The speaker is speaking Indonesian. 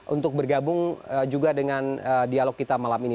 untuk bergabung juga dengan dialog kita malam ini